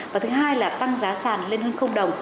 và thứ hai là tăng giá sàn lên hơn đồng